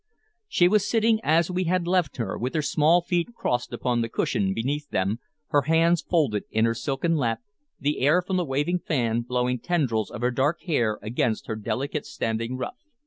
She was sitting as we had left her, with her small feet crossed upon the cushion beneath them, her hands folded in her silken lap, the air from the waving fan blowing tendrils of her dark hair against her delicate standing ruff.